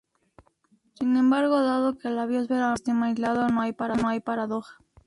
Sin embargo, dado que la biosfera no es un sistema aislado, no hay paradoja.